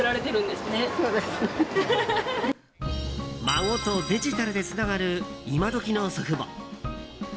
孫とデジタルでつながるイマドキの祖父母。